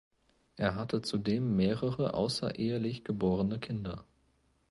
Er hatte zudem mehrere außerehelich geborene Kinder.